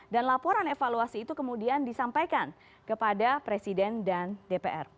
dan laporan evaluasi itu kemudian disampaikan kepada presiden dan dpr